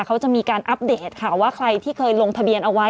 เขาจะมีการอัปเดตค่ะว่าใครที่เคยลงทะเบียนเอาไว้